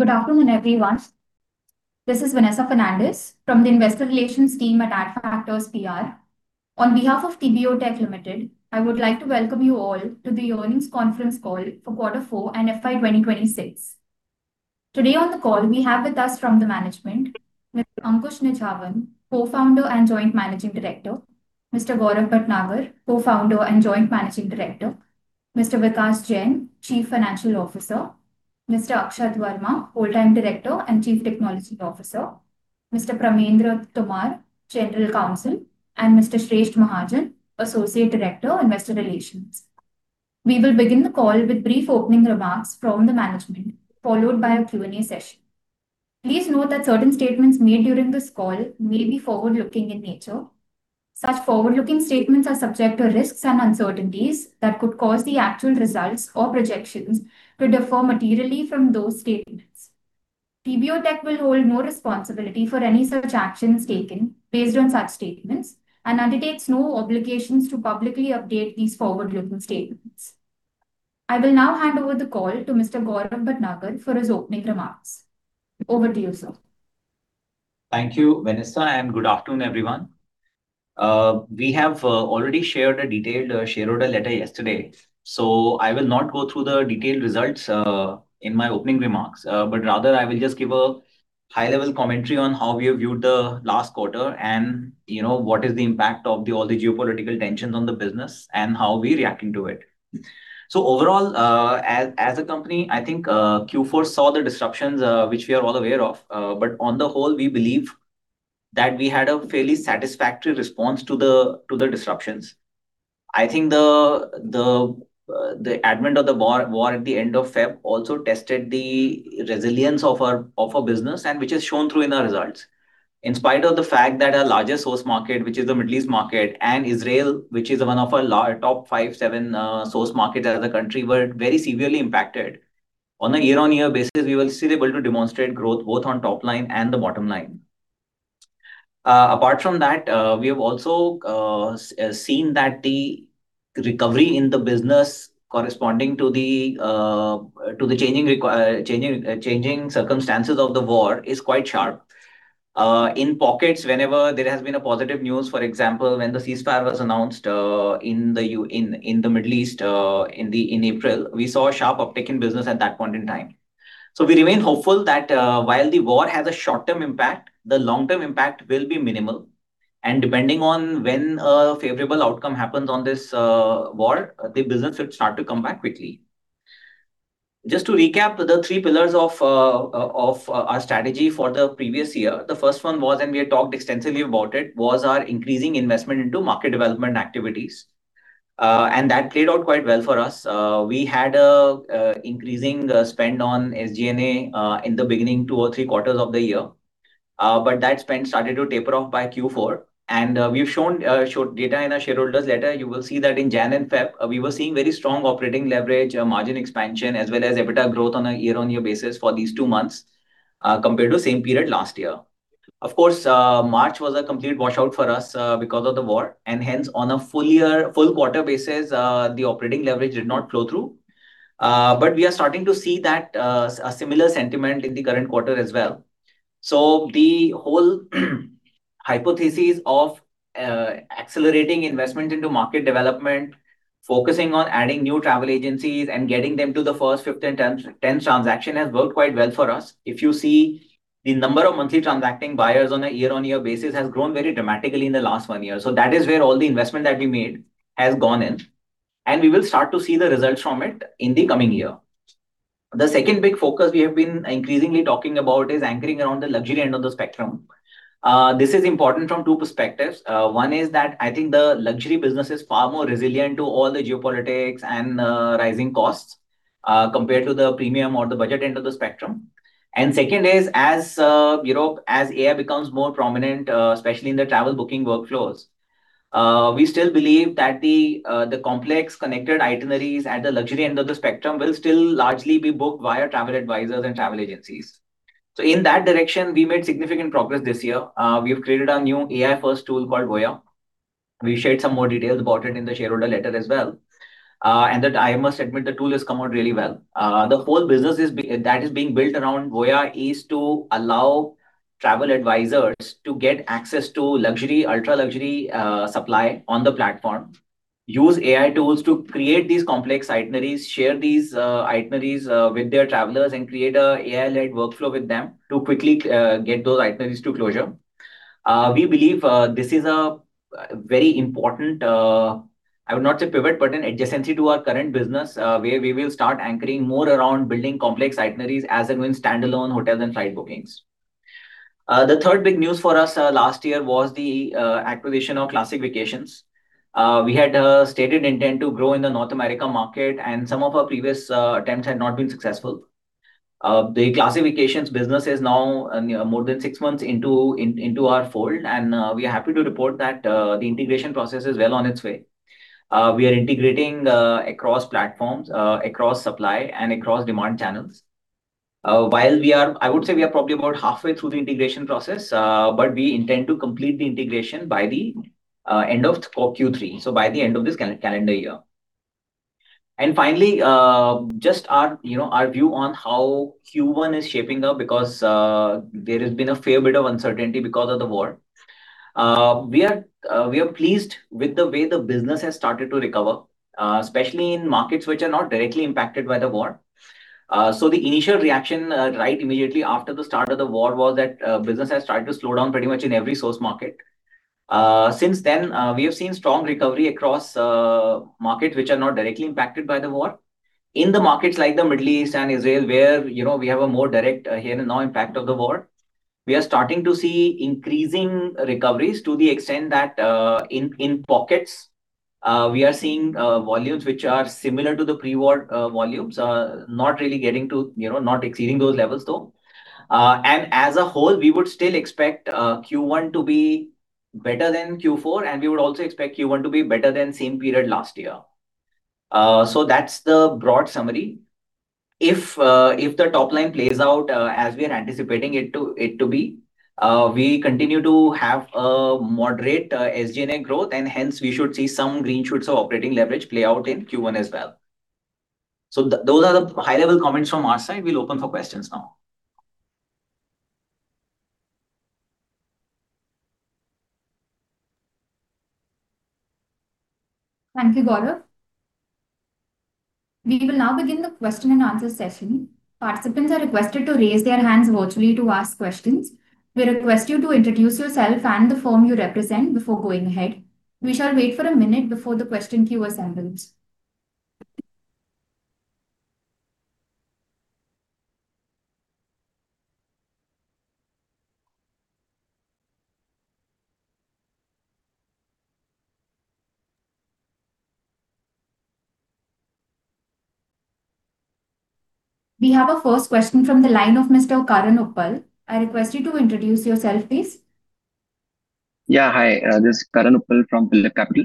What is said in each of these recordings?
Good afternoon, everyone. This is Vanessa Fernandes from the investor relations team at Adfactors PR. On behalf of TBO Tek Ltd., I would like to welcome you all to the earnings conference call for quarter four and FY 2026. Today on the call we have with us from the management, Mr. Ankush Nijhawan, Co-Founder and Joint Managing Director, Mr. Gaurav Bhatnagar, Co-Founder and Joint Managing Director, Mr. Vikas Jain, Chief Financial Officer, Mr. Akshat Verma, Whole-time Director and Chief Technology Officer, Mr. Pramendra Tomar, General Counsel, and Mr. Shreshth Mahajan, Associate Director, Investor Relations. We will begin the call with brief opening remarks from the management, followed by a Q&A session. Please note that certain statements made during this call may be forward-looking in nature. Such forward-looking statements are subject to risks and uncertainties that could cause the actual results or projections to differ materially from those statements. TBO Tek will hold no responsibility for any such actions taken based on such statements, and undertakes no obligations to publicly update these forward-looking statements. I will now hand over the call to Mr. Gaurav Bhatnagar for his opening remarks. Over to you, sir. Thank you, Vanessa, and good afternoon, everyone. We have already shared a detailed shareholders' letter yesterday, so I will not go through the detailed results in my opening remarks. Rather, I will just give a high-level commentary on how we have viewed the last quarter and what is the impact of all the geopolitical tensions on the business and how we're reacting to it. Overall, as a company, I think Q4 saw the disruptions which we are all aware of. On the whole, we believe that we had a fairly satisfactory response to the disruptions. I think the advent of the war at the end of Feb also tested the resilience of our business, and which is shown through in our results. In spite of the fact that our largest source market, which is the Middle East market, and Israel, which is one of our Top 5, 7 source markets as a country, were very severely impacted. On a year-on-year basis, we were still able to demonstrate growth both on top line and the bottom line. Apart from that, we have also seen that the recovery in the business corresponding to the changing circumstances of the war is quite sharp. In pockets, whenever there has been a positive news, for example, when the ceasefire was announced in the Middle East in April, we saw a sharp uptick in business at that point in time. We remain hopeful that while the war has a short-term impact, the long-term impact will be minimal, and depending on when a favorable outcome happens on this war, the business will start to come back quickly. Just to recap the three pillars of our strategy for the previous year. The first one was, we had talked extensively about it, was our increasing investment into market development activities. That played out quite well for us. We had increasing spend on SG&A in the beginning two or three quarters of the year. That spend started to taper off by Q4, and we've shown data in our shareholders' letter. You will see that in Jan and Feb, we were seeing very strong operating leverage, margin expansion, as well as EBITDA growth on a year-on-year basis for these two months compared to same period last year. Of course, March was a complete washout for us because of the war, and hence on a full quarter basis, the operating leverage did not flow through. We are starting to see that a similar sentiment in the current quarter as well. The whole hypothesis of accelerating investment into market development, focusing on adding new travel agencies and getting them to the first, fifth, and 10th transaction has worked quite well for us. If you see the number of monthly transacting buyers on a year-on-year basis has grown very dramatically in the last one year. That is where all the investment that we made has gone in, and we will start to see the results from it in the coming year. The second big focus we have been increasingly talking about is anchoring around the luxury end of the spectrum. This is important from two perspectives. One is that I think the luxury business is far more resilient to all the geopolitics and rising costs compared to the premium or the budget end of the spectrum. Second is as AI becomes more prominent, especially in the travel booking workflows, we still believe that the complex connected itineraries at the luxury end of the spectrum will still largely be booked via travel advisors and travel agencies. In that direction, we made significant progress this year. We have created our new AI first tool called Voya. We shared some more details about it in the shareholder letter as well. That I must admit, the tool has come out really well. The whole business that is being built around Voya is to allow travel advisors to get access to luxury, ultra-luxury supply on the platform, use AI tools to create these complex itineraries, share these itineraries with their travelers, and create an AI-led workflow with them to quickly get those itineraries to closure. We believe this is a very important, I would not say pivot, but an adjacency to our current business, where we will start anchoring more around building complex itineraries as and when standalone hotels and flight bookings. The third big news for us last year was the acquisition of Classic Vacations. Some of our previous attempts had not been successful. The Classic Vacations business is now more than six months into our fold, we are happy to report that the integration process is well on its way. We are integrating across platforms, across supply, and across demand channels. I would say we are probably about halfway through the integration process, we intend to complete the integration by the end of Q3. By the end of this calendar year. Finally, just our view on how Q1 is shaping up because there has been a fair bit of uncertainty because of the war. We are pleased with the way the business has started to recover, especially in markets which are not directly impacted by the war. The initial reaction right immediately after the start of the war was that business has started to slow down pretty much in every source market. Since then, we have seen strong recovery across markets which are not directly impacted by the war. In the markets like the Middle East and Israel, where we have a more direct here and now impact of the war, we are starting to see increasing recoveries to the extent that in pockets we are seeing volumes which are similar to the pre-war volumes. Not really exceeding those levels, though. As a whole, we would still expect Q1 to be better than Q4, and we would also expect Q1 to be better than same period last year. That's the broad summary. If the top line plays out as we are anticipating it to be, we continue to have a moderate SG&A growth and hence we should see some green shoots of operating leverage play out in Q1 as well. Those are the high-level comments from our side. We'll open for questions now. Thank you, Gaurav. We will now begin the question-and-answer session. Participants are requested to raise their hands virtually to ask questions. We request you to introduce yourself and the firm you represent before going ahead. We shall wait for one minute before the question queue assembles. We have a first question from the line of Mr. Karan Uppal. I request you to introduce yourself, please. Hi, this is Karan Uppal from Phillip Capital.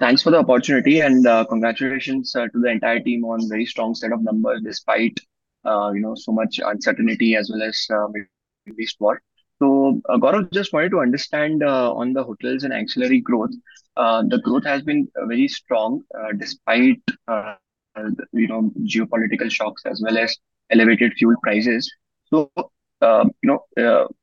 Thanks for the opportunity and congratulations to the entire team on very strong set of numbers despite so much uncertainty as well as maybe spot. Gaurav, just wanted to understand on the hotels and ancillary growth. The growth has been very strong despite geopolitical shocks as well as elevated fuel prices. Can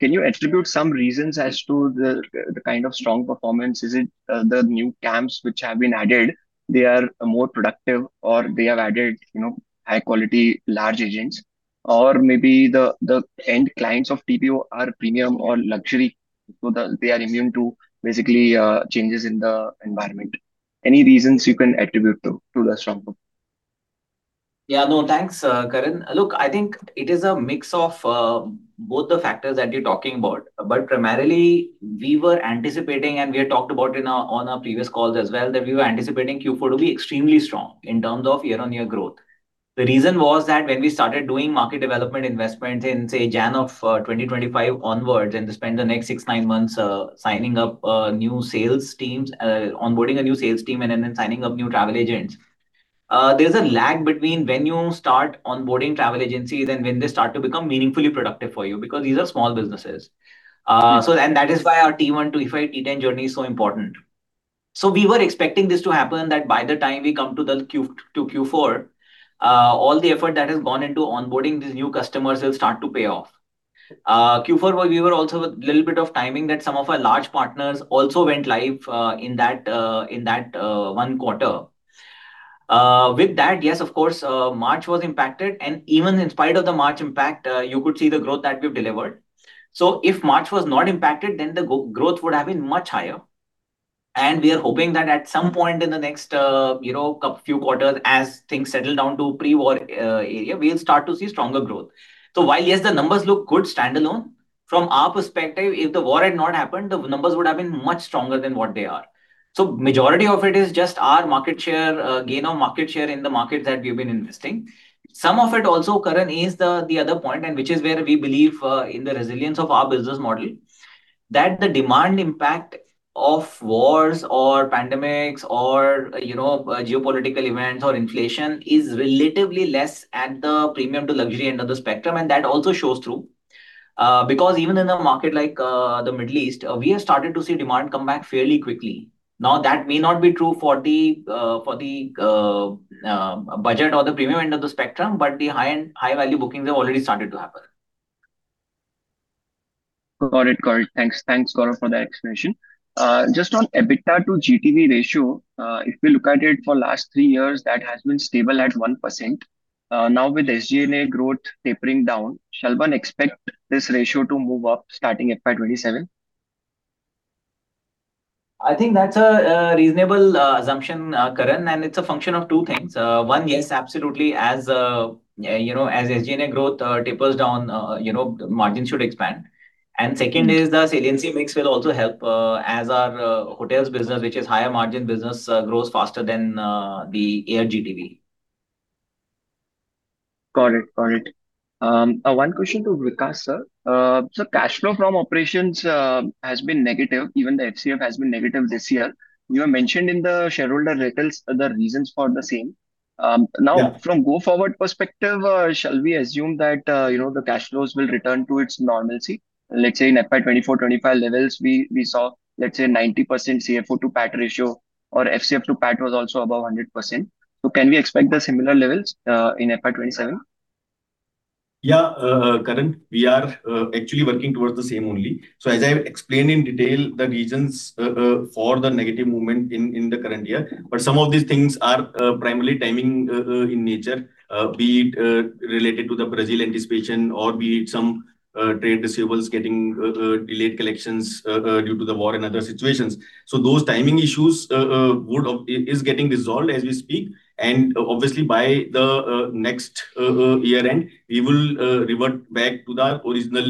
you attribute some reasons as to the kind of strong performance? Is it the new CAM's which have been added, they are more productive or they have added high-quality large agents? Or maybe the end clients of TBO are premium or luxury, so they are immune to basically changes in the environment. Any reasons you can attribute to the strong growth? Yeah. No, thanks, Karan. Look, I think it is a mix of both the factors that you're talking about. Primarily, we were anticipating, and we had talked about on our previous calls as well, that we were anticipating Q4 to be extremely strong in terms of year-on-year growth. The reason was that when we started doing market development investments in, say, Jan of 2025 onwards, they spend the next six, nine months signing up new sales teams, onboarding a new sales team, and then signing up new travel agents. There's a lag between when you start onboarding travel agencies and when they start to become meaningfully productive for you, because these are small businesses. That is why our T1, T5, T10 journey is so important. We were expecting this to happen, that by the time we come to Q4, all the effort that has gone into onboarding these new customers will start to pay off. Q4, we were also a little bit of timing that some of our large partners also went live in that one quarter. With that, yes, of course, March was impacted, and even in spite of the March impact, you could see the growth that we've delivered. If March was not impacted, then the growth would have been much higher. We are hoping that at some point in the next few quarters, as things settle down to pre-war era, we'll start to see stronger growth. While, yes, the numbers look good standalone, from our perspective, if the war had not happened, the numbers would have been much stronger than what they are. Majority of it is just our market share, gain of market share in the market that we've been investing. Some of it also, Karan, is the other point and which is where we believe in the resilience of our business model, that the demand impact of wars or pandemics or geopolitical events or inflation is relatively less at the premium to luxury end of the spectrum, and that also shows through. Even in a market like the Middle East, we have started to see demand come back fairly quickly. That may not be true for the budget or the premium end of the spectrum, but the high-end high value bookings have already started to happen. Got it. Thanks, Gaurav, for that explanation. On EBITDA to GTV ratio, if we look at it for last three years, that has been stable at 1%. With SG&A growth tapering down, shall one expect this ratio to move up starting FY 2027? I think that's a reasonable assumption, Karan, and it's a function of two things. One, yes, absolutely, as SG&A growth tapers down, margins should expand. Second is the saliency mix will also help as our hotels business, which is higher margin business, grows faster than the air GTV. Got it. One question to Vikas, Sir. Cash flow from operations has been negative. Even the FCF has been negative this year. You have mentioned in the shareholder letters the reasons for the same. From go forward perspective, shall we assume that the cash flows will return to its normalcy? Let's say in FY 2024/2025 levels, we saw, let's say 90% CFO to PAT ratio or FCF to PAT was also above 100%. Can we expect the similar levels in FY 2027? Karan, we are actually working towards the same only. As I explained in detail, the reasons for the negative movement in the current year. Some of these things are primarily timing in nature, be it related to the Brazil anticipation or be it some trade receivables getting delayed collections due to the war and other situations. Those timing issues is getting resolved as we speak, and obviously by the next year-end, we will revert back to the original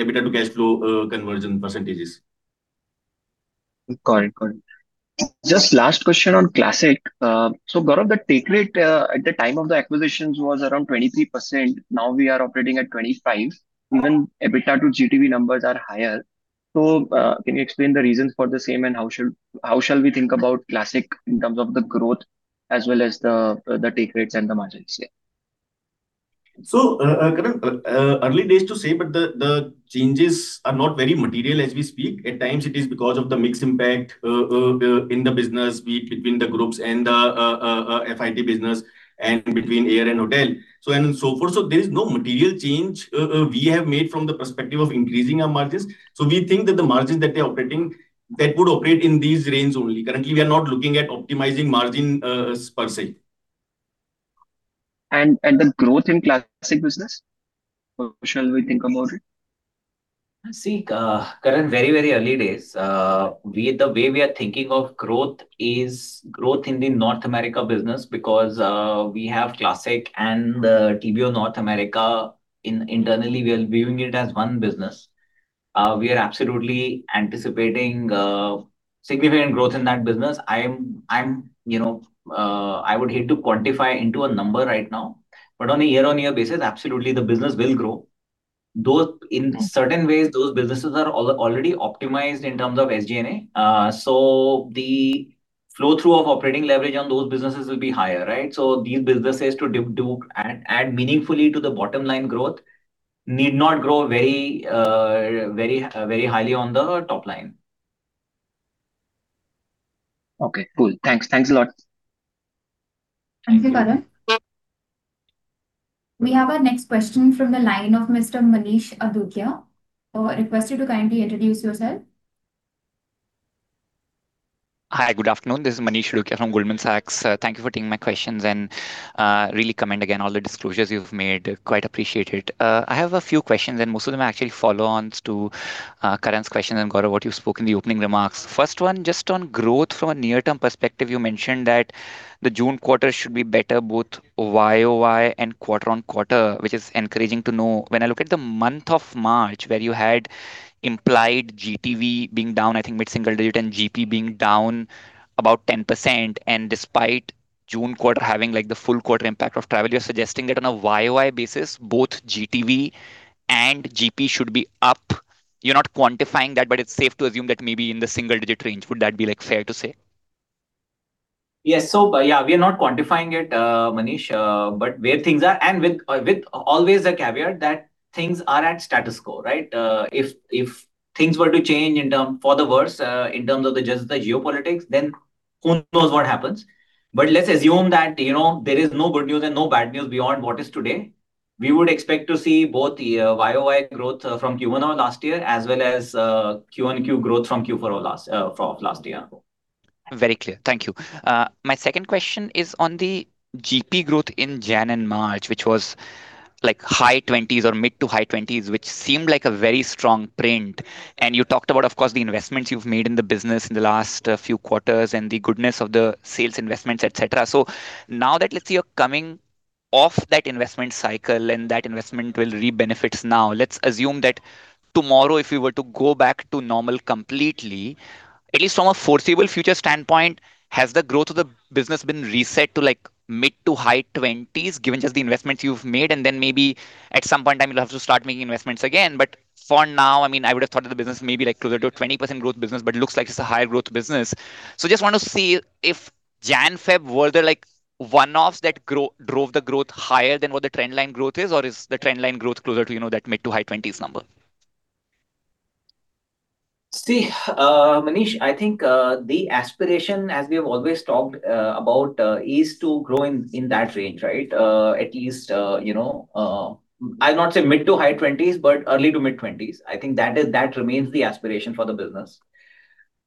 EBITDA to cash flow conversion percentages. Got it. Just last question on Classic. Gaurav, the take rate at the time of the acquisitions was around 23%. Now we are operating at 25. Even EBITDA to GTV numbers are higher. Can you explain the reasons for the same and how shall we think about Classic in terms of the growth as well as the take rates and the margins there? Karan, early days to say, but the changes are not very material as we speak. At times it is because of the mix impact in the business between the groups and the FIT business and between air and hotel so on and so forth. There's no material change we have made from the perspective of increasing our margins. We think that the margins that they're operating that would operate in these range only. Currently, we are not looking at optimizing margin per se. The growth in Classic business, how shall we think about it? See, Karan, very early days. The way we are thinking of growth is growth in the North America business because we have Classic and the TBO North America, internally, we are viewing it as one business. We are absolutely anticipating significant growth in that business. I would hate to quantify into a number right now, but on a year-on-year basis, absolutely the business will grow. In certain ways, those businesses are already optimized in terms of SG&A. The flow-through of operating leverage on those businesses will be higher, right? These businesses to add meaningfully to the bottom-line growth need not grow very highly on the top line. Okay, cool. Thanks a lot. Thank you, Karan. We have our next question from the line of Mr. Manish Adukia. I request you to kindly introduce yourself. Hi, good afternoon. This is Manish Adukia from Goldman Sachs. Thank you for taking my questions and really commend again all the disclosures you've made. Quite appreciate it. I have a few questions and most of them are actually follow-ons to Karan's questions and Gaurav what you spoke in the opening remarks. First one, just on growth from a near-term perspective, you mentioned that the June quarter should be better both YoY and quarter-on-quarter, which is encouraging to know. When I look at the month of March where you had implied GTV being down, I think mid-single-digit and GP being down about 10%. Despite June quarter having the full quarter impact of travel, you're suggesting that on a YoY basis, both GTV and GP should be up. You're not quantifying that. It's safe to assume that maybe in the single-digit range. Would that be fair to say? Yes. Yeah, we are not quantifying it, Manish, but where things are and with always a caveat that things are at status quo, right? If things were to change for the worse, in terms of just the geopolitics, then who knows what happens. Let's assume that there is no good news and no bad news beyond what is today. We would expect to see both the YoY growth from Q1 of last year as well as Q-on-Q growth from Q4 of last year. Very clear. Thank you. My second question is on the GP growth in Jan and March, which was like high 20s or mid-to-high 20s, which seemed like a very strong print. You talked about, of course, the investments you've made in the business in the last few quarters and the goodness of the sales investments, et cetera. Now that let's say you're coming off that investment cycle and that investment will re-benefit now, let's assume that tomorrow if we were to go back to normal completely, at least from a foreseeable future standpoint, has the growth of the business been reset to mid-to-high 20s given just the investments you've made, and then maybe at some point in time you'll have to start making investments again. For now, I would have thought that the business may be closer to a 20% growth business, but looks like it's a higher growth business. Just want to see if Jan, Feb, were there one-offs that drove the growth higher than what the trend line growth is, or is the trend line growth closer to that mid to high 20s number? See, Manish, I think the aspiration as we have always talked about, is to grow in that range, right? At least, I'll not say mid to high 20s, but early to mid 20s. I think that remains the aspiration for the business.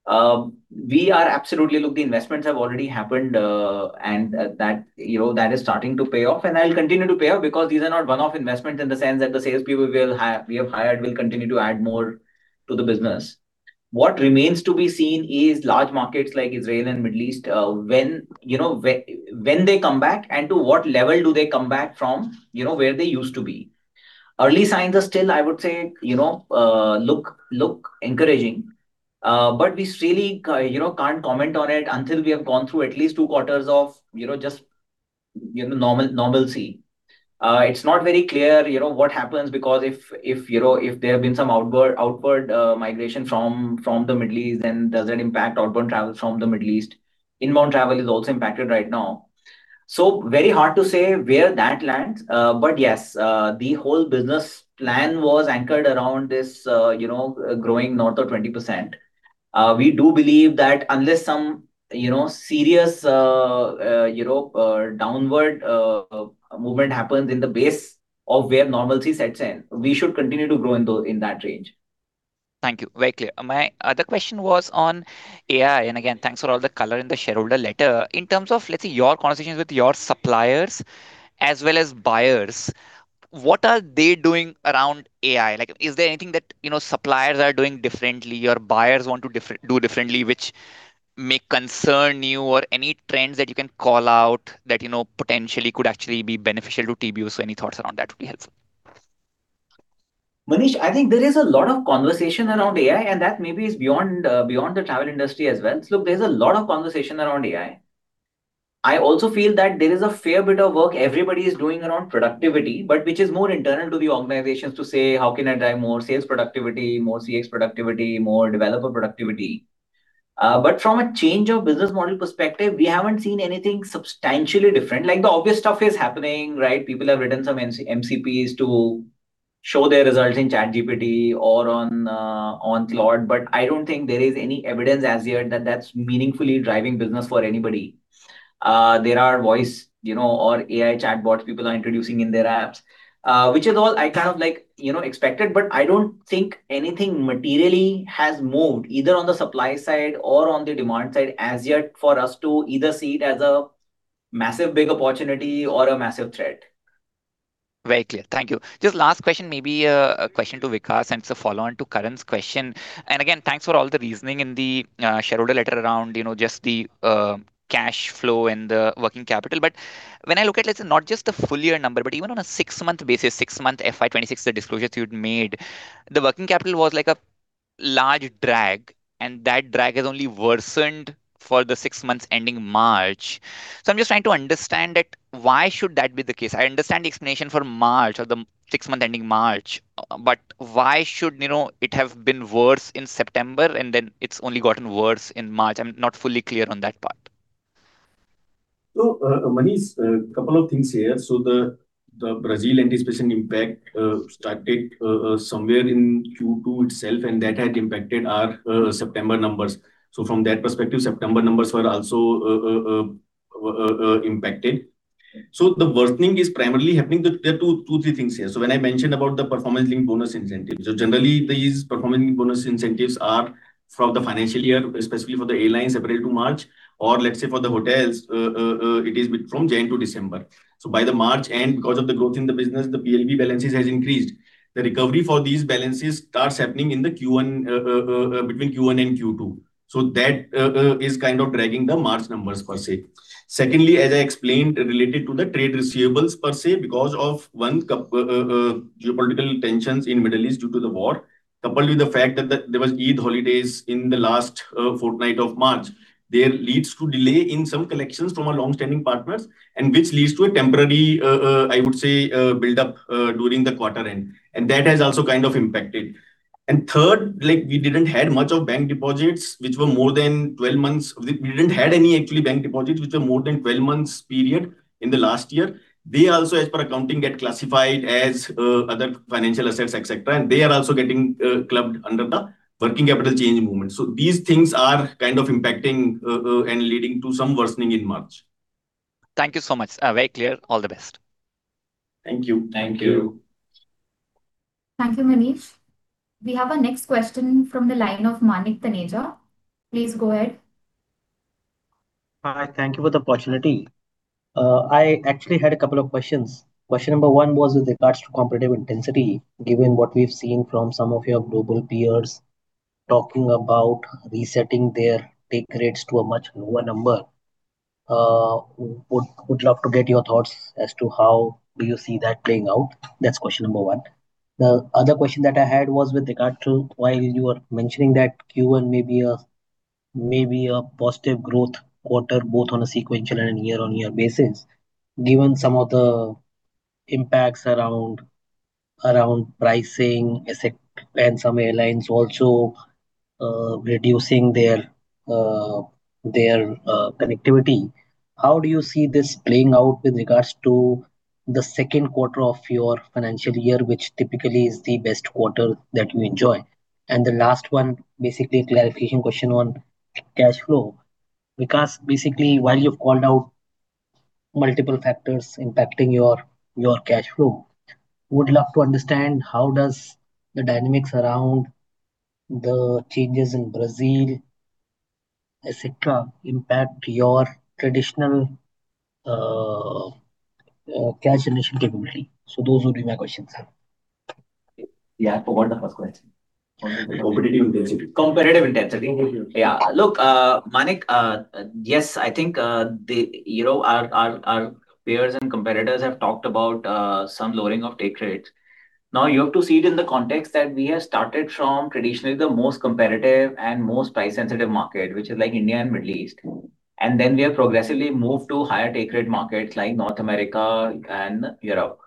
Look, the investments have already happened, and that is starting to pay off and will continue to pay off because these are not one-off investments in the sense that the sales people we have hired will continue to add more to the business. What remains to be seen is large markets like Israel and Middle East, when they come back and to what level do they come back from where they used to be. Early signs are still, I would say, look encouraging, but we really can't comment on it until we have gone through at least two quarters of just normalcy. It's not very clear what happens because if there have been some outward migration from the Middle East, does that impact outbound travel from the Middle East? Inbound travel is also impacted right now. Very hard to say where that lands. Yes, the whole business plan was anchored around this growing north of 20%. We do believe that unless some serious downward movement happens in the base of where normalcy sets in, we should continue to grow in that range. Thank you. Very clear. My other question was on AI. Again, thanks for all the color in the shareholder letter. In terms of, let's say, your conversations with your suppliers as well as buyers, what are they doing around AI? Is there anything that suppliers are doing differently or buyers want to do differently, which may concern you, or any trends that you can call out that potentially could actually be beneficial to TBO? Any thoughts around that would be helpful. Manish, I think there is a lot of conversation around AI, and that maybe is beyond the travel industry as well. Look, there's a lot of conversation around AI. I also feel that there is a fair bit of work everybody is doing around productivity, but which is more internal to the organizations to say, how can I drive more sales productivity, more CX productivity, more developer productivity? From a change of business model perspective, we haven't seen anything substantially different. The obvious stuff is happening, right? People have written some MCPs to show their results in ChatGPT or on Claude, but I don't think there is any evidence as yet that that's meaningfully driving business for anybody. There are voice or AI chatbots people are introducing in their apps, which is all I expected, but I don't think anything materially has moved either on the supply side or on the demand side as yet for us to either see it as a massive, big opportunity or a massive threat. Very clear. Thank you. Just last question, maybe a question to Vikas, and it's a follow-on to Karan's question. Again, thanks for all the reasoning in the shareholder letter around just the cash flow and the working capital. When I look at, let's say, not just the full year number, but even on a six-month basis, six-month FY 2026, the disclosures you'd made, the working capital was a large drag, and that drag has only worsened for the six months ending March. I'm just trying to understand it. Why should that be the case? I understand the explanation for March or the six months ending March, but why should it have been worse in September and then it's only gotten worse in March? I'm not fully clear on that part. Manish, a couple of things here. The Brazil anticipation impact started somewhere in Q2 itself, and that had impacted our September numbers. From that perspective, September numbers were also impacted. The worsening is primarily happening. There are two, three things here. When I mentioned about the performance-linked bonus incentive. Generally, these performance bonus incentives are from the financial year, specifically for the airlines, April to March, or let's say for the hotels, it is from Jan to December. By the March end, because of the growth in the business, the PLB balances has increased. The recovery for these balances starts happening between Q1 and Q2. That is dragging the March numbers per se. As I explained, related to the trade receivables per se, because of one, geopolitical tensions in Middle East due to the war, coupled with the fact that there was Eid holidays in the last fortnight of March, there leads to delay in some collections from our longstanding partners, and which leads to a temporary, I would say, buildup during the quarter end. That has also impacted. Third, we didn't have much of bank deposits which were more than 12 months. We didn't have any actually bank deposits which are more than 12 months period in the last year. They also, as per accounting, get classified as other financial assets, et cetera, and they are also getting clubbed under the working capital change movement. These things are impacting and leading to some worsening in March. Thank you so much. Very clear. All the best. Thank you. Thank you. Thank you, Manish. We have our next question from the line of Manik Taneja. Please go ahead. Hi. Thank you for the opportunity. I actually had a couple of questions. Question number one was with regards to competitive intensity, given what we've seen from some of your global peers talking about resetting their take rates to a much lower number. Would love to get your thoughts as to how do you see that playing out? That's question number one. The other question that I had was with regard to while you were mentioning that Q1 may be a positive growth quarter, both on a sequential and year-on-year basis. Given some of the impacts around pricing, et cetera, and some airlines also reducing their connectivity, how do you see this playing out with regards to the second quarter of your financial year, which typically is the best quarter that you enjoy? The last one, basically a clarification question on cash flow. Vikas, basically, while you've called out multiple factors impacting your cash flow, would love to understand how does the dynamics around the changes in Brazil, et cetera, impact your traditional cash generation capability? Those would be my questions. Yeah, I forgot the first question. Competitive intensity. Competitive intensity. Competitive intensity. Look, Manik, yes, I think our peers and competitors have talked about some lowering of take rates. Now you have to see it in the context that we have started from traditionally the most competitive and most price-sensitive market, which is India and Middle East. Then we have progressively moved to higher take rate markets like North America and Europe.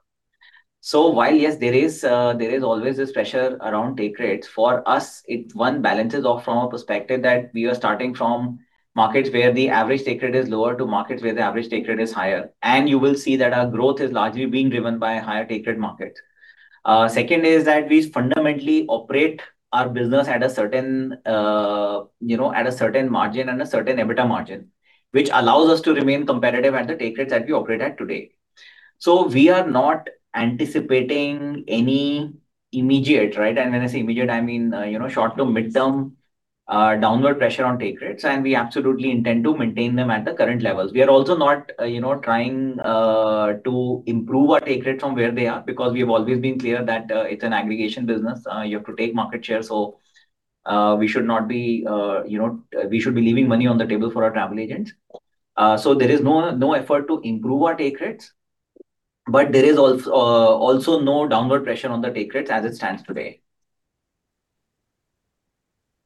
While, yes, there is always this pressure around take rates, for us, it one balances off from a perspective that we are starting from markets where the average take rate is lower to markets where the average take rate is higher. You will see that our growth is largely being driven by higher take rate markets. Second is that we fundamentally operate our business at a certain margin and a certain EBITDA margin, which allows us to remain competitive at the take rates that we operate at today. We are not anticipating any immediate, and when I say immediate, I mean short-term, mid-term downward pressure on take rates, and we absolutely intend to maintain them at the current levels. We are also not trying to improve our take rates from where they are because we have always been clear that it's an aggregation business. You have to take market share, we should be leaving money on the table for our travel agents. There is no effort to improve our take rates, but there is also no downward pressure on the take rates as it stands today.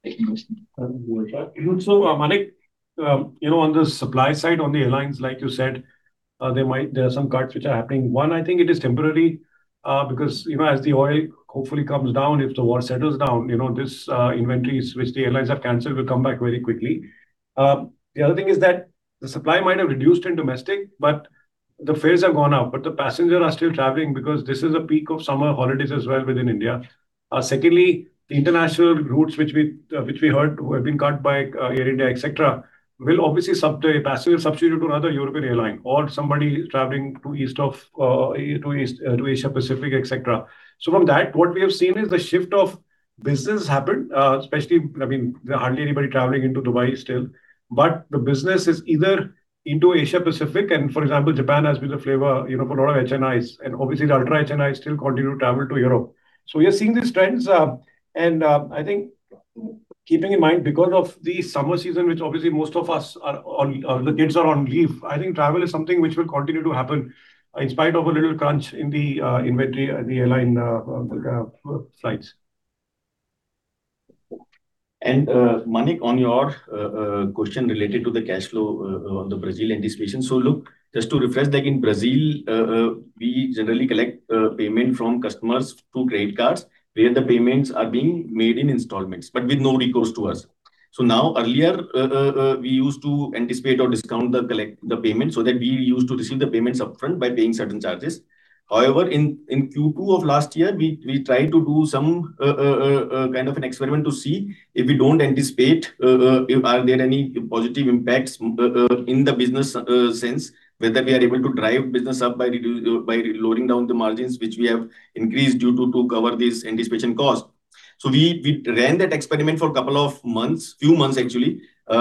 Thank you. Manik, on the supply side, on the airlines, like you said, there are some cuts which are happening. One, I think it is temporary, because as the oil hopefully comes down, if the war settles down, these inventories which the airlines have canceled will come back very quickly. The other thing is that the supply might have reduced in domestic, but the fares have gone up, but the passengers are still traveling because this is a peak of summer holidays as well within India. Secondly, the international routes which we heard have been cut by Air India, et cetera, will obviously substitute to another European airline or somebody traveling to Asia Pacific, et cetera. From that, what we have seen is the shift of business happened, especially, there are hardly anybody traveling into Dubai still, but the business is either into Asia Pacific and for example, Japan has been the flavor for a lot of HNIs, and obviously the ultra HNI still continue to travel to Europe. We are seeing these trends, and I think keeping in mind because of the summer season, which obviously most of us are on, or the kids are on leave, I think travel is something which will continue to happen in spite of a little crunch in the inventory, the airline flights. Manik, on your question related to the cash flow on the Brazil anticipation. Look, just to refresh, like in Brazil, we generally collect payment from customers through credit cards where the payments are being made in installments, but with no recourse to us. Now, earlier, we used to anticipate or discount the payment so that we used to receive the payments upfront by paying certain charges. However, in Q2 of last year, we tried to do some kind of an experiment to see if we don't anticipate, are there any positive impacts in the business sense, whether we are able to drive business up by loading down the margins, which we have increased due to cover this anticipation cost. We ran that experiment for a couple of months, few months, actually. We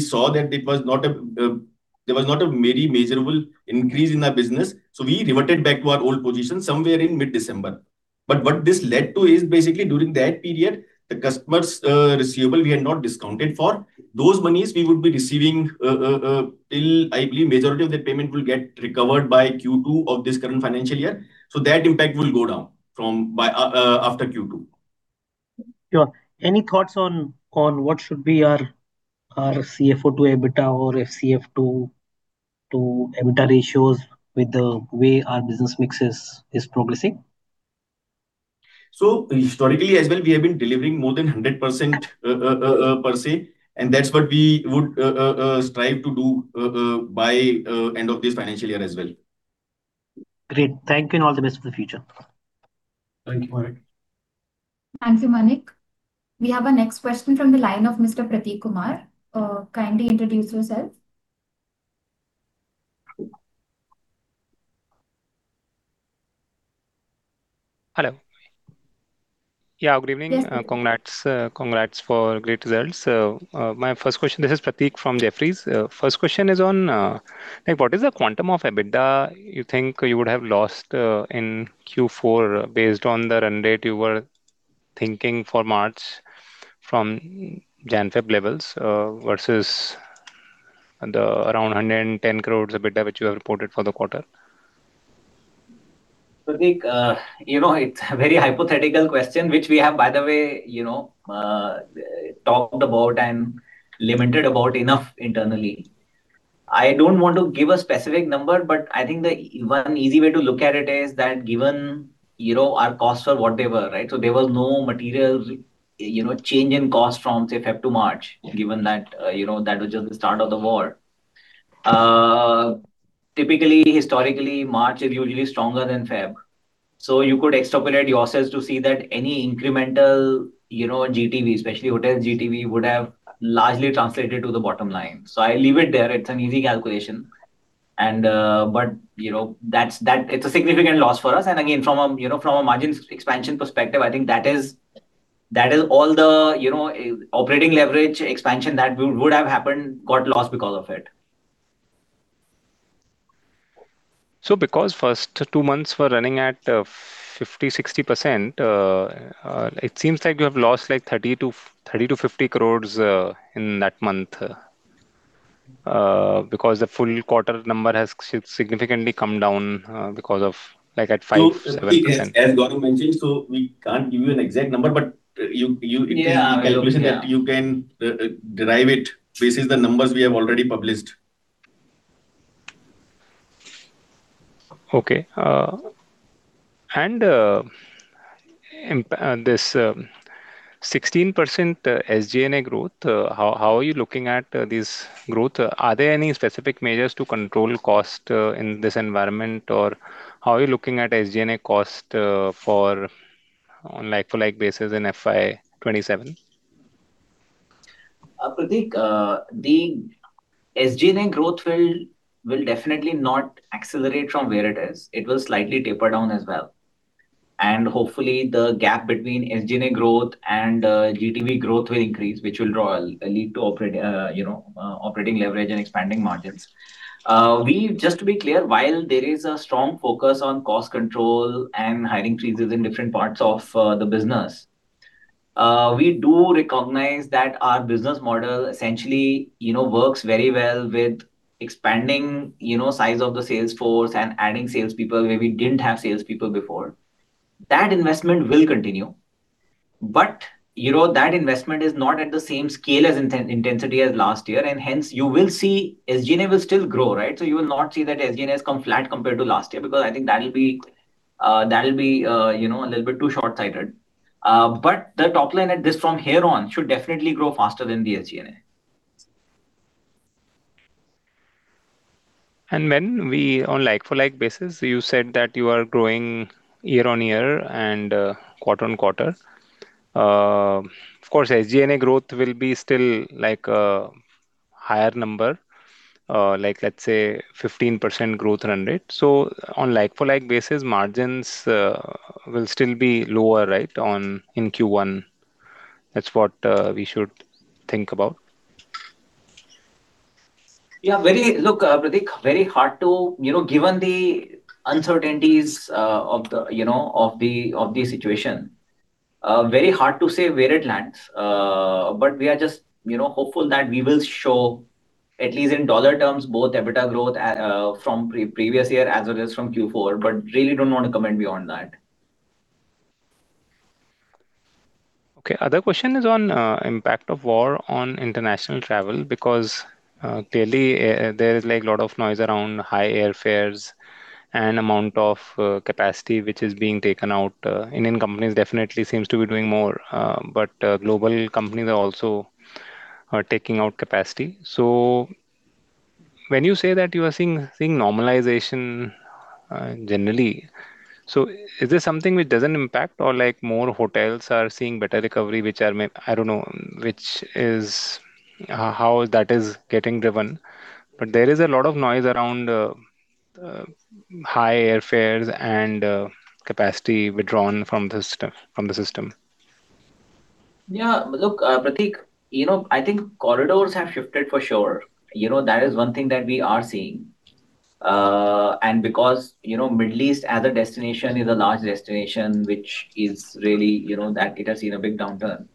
saw that there was not a very measurable increase in our business. We reverted back to our old position somewhere in mid-December. What this led to is basically during that period, the customer's receivable, we had not discounted for. Those monies we would be receiving till, I believe, majority of that payment will get recovered by Q2 of this current financial year. That impact will go down after Q2. Sure. Any thoughts on what should be our CFO to EBITDA or FCF to EBITDA ratios with the way our business mix is progressing? Historically as well, we have been delivering more than 100% per se, and that's what we would strive to do by end of this financial year as well. Great. Thank you and all the best for the future. Thank you, Manik. Thank you, Manik. We have our next question from the line of Mr. Prateek Kumar. Kindly introduce yourself. Hello. Yeah, good evening. Yes. Congrats for great results. This is Prateek Kumar from Jefferies. First question is on, what is the quantum of EBITDA you think you would have lost in Q4 based on the run rate you were thinking for March from Jan, Feb levels, versus the around 110 crores EBITDA which you have reported for the quarter? Prateek, it's a very hypothetical question, which we have, by the way, talked about and lamented about enough internally. I don't want to give a specific number, but I think the one easy way to look at it is that given our costs are what they were, right? There was no material change in cost from, say, Feb to March, given that was just the start of the war. Typically, historically, March is usually stronger than Feb. You could extrapolate yourselves to see that any incremental GTV, especially hotel GTV, would have largely translated to the bottom line. I leave it there. It's an easy calculation. It's a significant loss for us. Again, from a margin expansion perspective, I think that is all the operating leverage expansion that would have happened got lost because of it. Because first two months were running at 50%-60%, it seems like you have lost 30-50 crore in that month, because the full quarter number has significantly come down because of 5%, 7%. As Gaurav mentioned, we can't give you an exact number. Yeah You can calculation that you can derive it basis the numbers we have already published. Okay. This 16% SG&A growth, how are you looking at this growth? Are there any specific measures to control cost in this environment? Or how are you looking at SG&A cost for like-for-like basis in FY 2027? Prateek, the SG&A growth will definitely not accelerate from where it is. It will slightly taper down as well. Hopefully the gap between SG&A growth and GTV growth will increase, which will lead to operating leverage and expanding margins. Just to be clear, while there is a strong focus on cost control and hiring freezes in different parts of the business, we do recognize that our business model essentially works very well with expanding size of the sales force and adding salespeople where we didn't have salespeople before. That investment will continue. That investment is not at the same scale as intensity as last year, and hence you will see SG&A will still grow. You will not see that SG&A has come flat compared to last year, because I think that'll be a little bit too short-sighted. The top line at this from here on should definitely grow faster than the SG&A. When we on like-for-like basis, you said that you are growing year-on-year and quarter-on-quarter. Of course, SG&A growth will be still a higher number, like let's say 15% growth run rate. On like-for-like basis, margins will still be lower in Q1. That's what we should think about. Yeah. Look, Prateek, given the uncertainties of the situation, very hard to say where it lands. We are just hopeful that we will show at least in dollar terms both EBITDA growth from previous year as well as from Q4, but really don't want to comment beyond that. Okay. Other question is on impact of war on international travel because clearly there is lot of noise around high airfares and amount of capacity which is being taken out. Indian companies definitely seems to be doing more, global companies are also taking out capacity. When you say that you are seeing normalization generally, is this something which doesn't impact or more hotels are seeing better recovery, which is how that is getting driven. There is a lot of noise around high airfares and capacity withdrawn from the system. Yeah. Look, Prateek, I think corridors have shifted for sure. That is one thing that we are seeing. Because Middle East as a destination is a large destination, which is really that it has seen a big downturn.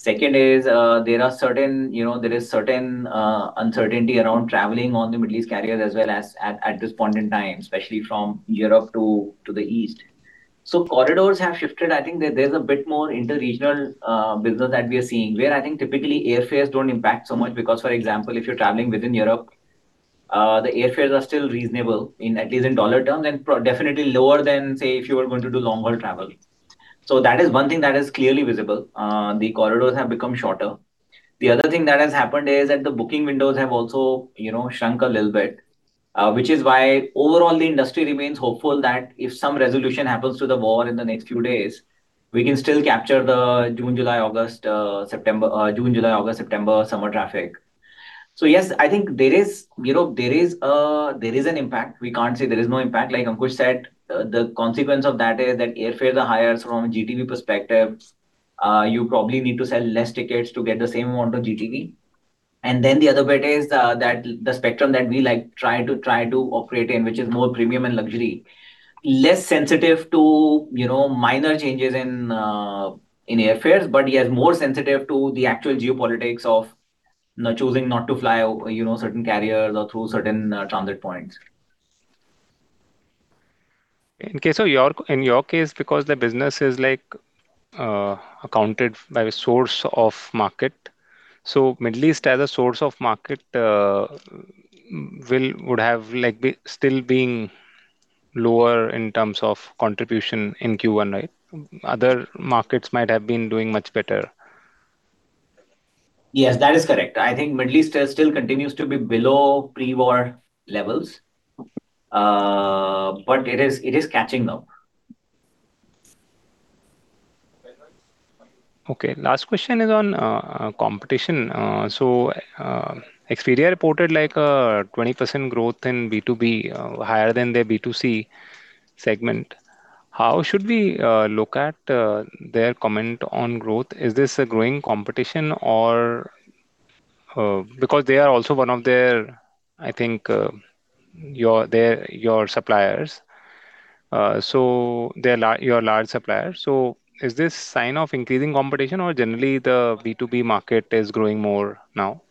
Second is there is certain uncertainty around traveling on the Middle East carriers as well as at this point in time, especially from Europe to the East. Corridors have shifted. I think that there's a bit more interregional business that we are seeing where I think typically airfares don't impact so much because, for example, if you're traveling within Europe, the airfares are still reasonable in at least in dollar terms, and definitely lower than, say, if you were going to do long-haul travel. That is one thing that is clearly visible. The corridors have become shorter. The other thing that has happened is that the booking windows have also shrunk a little bit, which is why overall the industry remains hopeful that if some resolution happens to the war in the next few days, we can still capture the June, July, August, September summer traffic. Yes, I think there is an impact. We can't say there is no impact. Like Ankush said, the consequence of that is that airfares are higher from a GTV perspective. You probably need to sell less tickets to get the same amount of GTV. The other bit is that the spectrum that we like try to operate in, which is more premium and luxury, less sensitive to minor changes in airfares, but yes, more sensitive to the actual geopolitics of choosing not to fly certain carriers or through certain transit points. Okay. In your case, because the business is accounted by the source of market, Middle East as a source of market would have still been lower in terms of contribution in Q1, right? Other markets might have been doing much better. Yes, that is correct. I think Middle East still continues to be below pre-war levels. It is catching up. Okay. Last question is on competition. Expedia reported like a 20% growth in B2B, higher than their B2C segment. How should we look at their comment on growth? Is this a growing competition or because they are also one of their, I think, your suppliers. They're your large supplier. Is this sign of increasing competition or generally the B2B market is growing more now?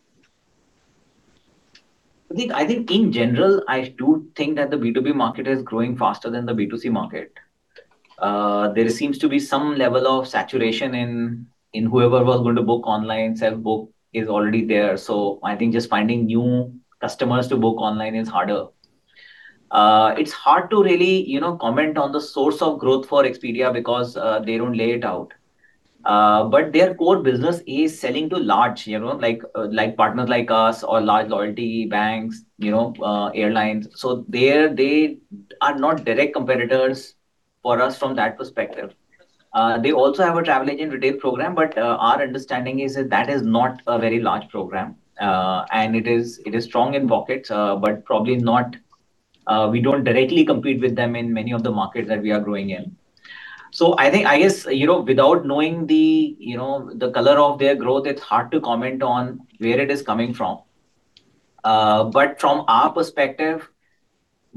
I think in general, I do think that the B2B market is growing faster than the B2C market. There seems to be some level of saturation in whoever was going to book online, self-book is already there. I think just finding new customers to book online is harder. It's hard to really comment on the source of growth for Expedia because they don't lay it out. Their core business is selling to large partners like us or large loyalty banks, airlines. They are not direct competitors for us from that perspective. They also have a travel agent retail program, but our understanding is that is not a very large program. It is strong in pockets, but we don't directly compete with them in many of the markets that we are growing in. I guess, without knowing the color of their growth, it's hard to comment on where it is coming from. From our perspective,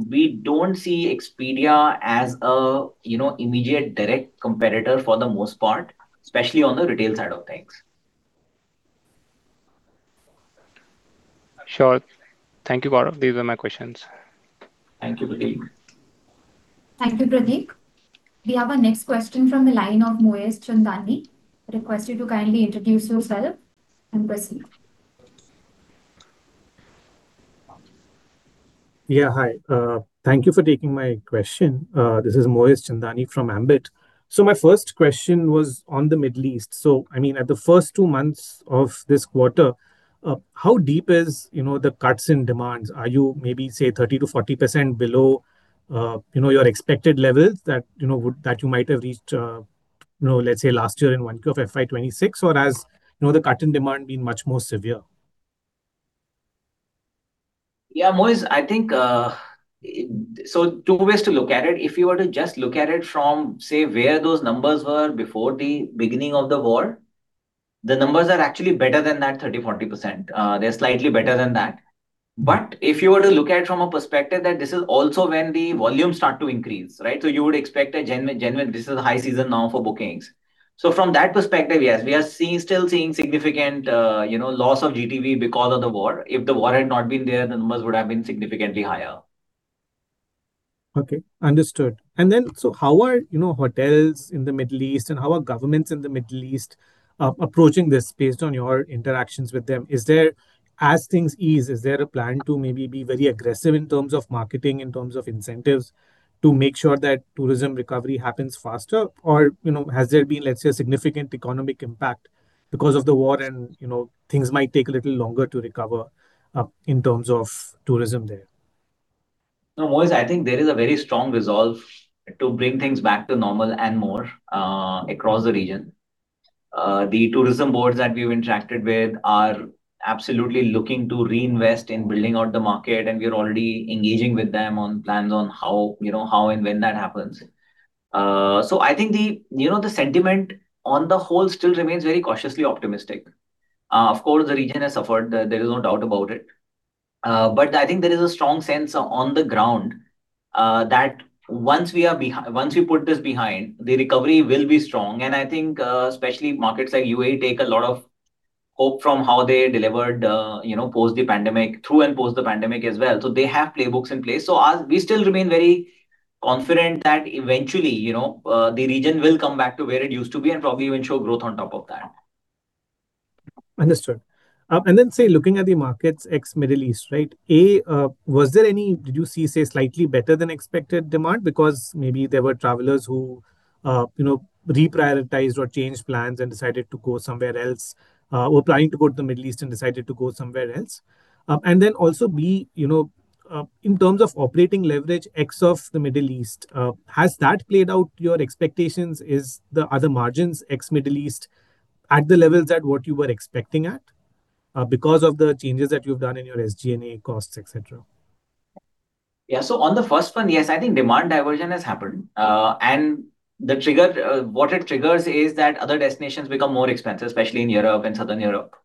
we don't see Expedia as a immediate direct competitor for the most part, especially on the retail side of things. Sure. Thank you, Gaurav. These are my questions. Thank you, Prateek. Thank you, Prateek. We have our next question from the line of Moez Chandani. Request you to kindly introduce yourself and proceed. Hi. Thank you for taking my question. This is Moez Chandani from Ambit. My first question was on the Middle East. At the first two months of this quarter, how deep is the cuts in demands? Are you maybe, say, 30%-40% below your expected levels that you might have reached, let's say, last year in Q1 of FY 2026? Has the cut in demand been much more severe? Moez, two ways to look at it. If you were to just look at it from, say, where those numbers were before the beginning of the war, the numbers are actually better than that 30%-40%. They're slightly better than that. If you were to look at it from a perspective that this is also when the volumes start to increase, right? You would expect a genuine, this is the high season now for bookings. From that perspective, yes, we are still seeing significant loss of GTV because of the war. If the war had not been there, the numbers would have been significantly higher. Okay. Understood. How are hotels in the Middle East and how are governments in the Middle East approaching this based on your interactions with them? As things ease, is there a plan to maybe be very aggressive in terms of marketing, in terms of incentives, to make sure that tourism recovery happens faster? Has there been, let's say, a significant economic impact because of the war and things might take a little longer to recover in terms of tourism there? No, Moez, I think there is a very strong resolve to bring things back to normal and more across the region. The tourism boards that we've interacted with are absolutely looking to reinvest in building out the market, and we are already engaging with them on plans on how and when that happens. I think the sentiment on the whole still remains very cautiously optimistic. Of course, the region has suffered. There is no doubt about it. I think there is a strong sense on the ground that once we put this behind, the recovery will be strong. I think, especially markets like UAE take a lot of hope from how they delivered through and post the pandemic as well. They have playbooks in place. We still remain very confident that eventually, the region will come back to where it used to be and probably even show growth on top of that. Understood. Then, say, looking at the markets ex-Middle East, right? A, did you see, say, slightly better than expected demand? Maybe there were travelers who reprioritized or changed plans and decided to go somewhere else, were planning to go to the Middle East and decided to go somewhere else. Then also, B, in terms of operating leverage ex of the Middle East, has that played out your expectations? Are the margins ex-Middle East at the levels at what you were expecting at because of the changes that you've done in your SG&A costs, et cetera? Yeah. On the first one, yes, I think demand diversion has happened. What it triggers is that other destinations become more expensive, especially in Europe and Southern Europe.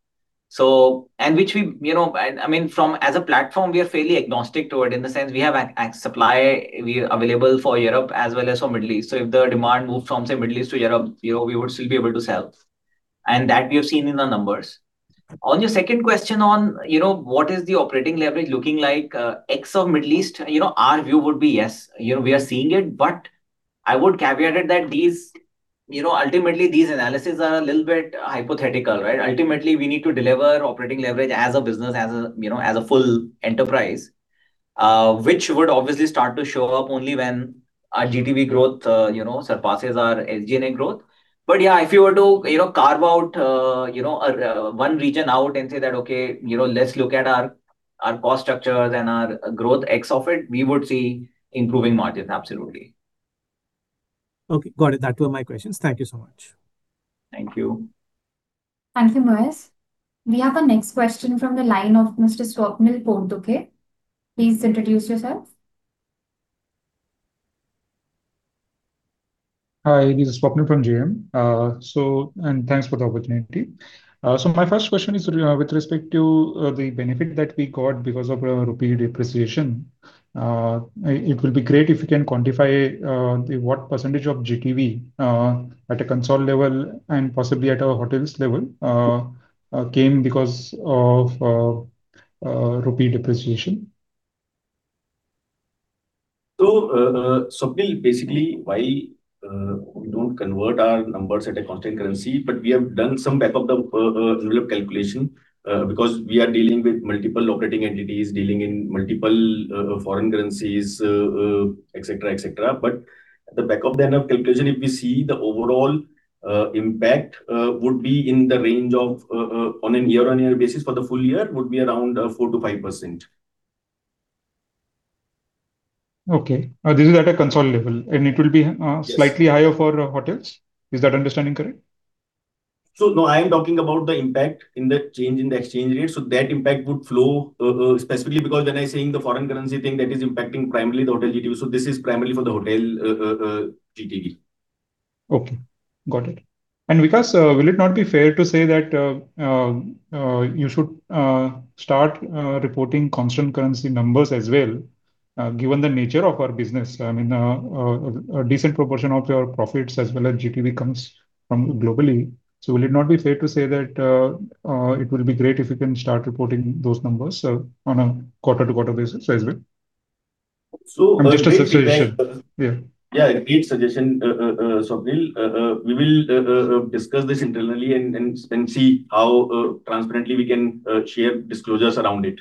As a platform, we are fairly agnostic to it in the sense we have a supply available for Europe as well as for Middle East. If the demand moved from, say, Middle East to Europe, we would still be able to sell. That we have seen in the numbers. On your second question on what is the operating leverage looking like ex of Middle East, our view would be, yes, we are seeing it, but I would caveat it that ultimately, these analyses are a little bit hypothetical, right? Ultimately, we need to deliver operating leverage as a business, as a full enterprise, which would obviously start to show up only when our GTV growth surpasses our SG&A growth. Yeah, if you were to carve one region out and say that, "Okay, let's look at our cost structures and our growth ex of it," we would see improving margins, absolutely. Okay. Got it. That were my questions. Thank you so much. Thank you. Thank you, Moez. We have our next question from the line of Mr. Swapnil Potdukhe. Please introduce yourself. Hi, this is Swapnil Potdukhe from JM. Thanks for the opportunity. My first question is with respect to the benefit that we got because of rupee depreciation. It will be great if you can quantify what percentage of GTV at a consol level and possibly at a hotels level came because of rupee depreciation. Swapnil, basically, while we don't convert our numbers at a constant currency, but we have done some back of the envelope calculation, because we are dealing with multiple operating entities, dealing in multiple foreign currencies, et cetera. At the back of the envelope calculation, if we see the overall impact would be in the range of, on a year-on-year basis for the full year, would be around 4%-5%. Okay. This is at a consol level, and it will be. Yes. Slightly higher for hotels. Is that understanding correct? No, I am talking about the impact in the change in the exchange rate. That impact would flow, specifically because when I say the foreign currency thing that is impacting primarily the hotel GTV. This is primarily for the hotel GTV. Okay. Got it. Vikas, will it not be fair to say that you should start reporting constant currency numbers as well, given the nature of our business? I mean, a decent proportion of your profits as well as GTV comes from globally. Will it not be fair to say that it will be great if you can start reporting those numbers on a quarter-to-quarter basis as well? So- Just a suggestion. Yeah. Yeah, a great suggestion, Swapnil. We will discuss this internally and see how transparently we can share disclosures around it.